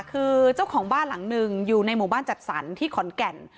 คือเจ้าของบ้านหลังหนึ่งอยู่ในหมู่บ้านจัดสรรที่ขอนแก่น